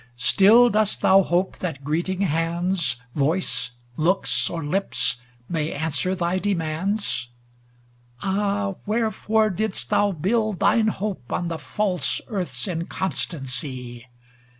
Still dost thou hope that greeting hands, Voice, looks or lips, may answer thy de mands ? Ah, wherefore didst thou build thine hope On the false earth's inconstancy